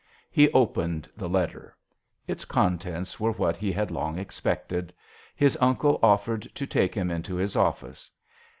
He opened the letter. Its contents were what he had long expected. His uncle offered to take him into his office.